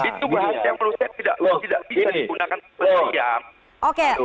itu bahasanya perusahaan tidak bisa digunakan secara sekiam